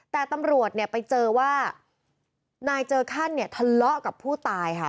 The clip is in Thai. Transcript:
แต่ตำรวจไปเจอว่านายเจอขั้นทะเลาะกับผู้ตายค่ะ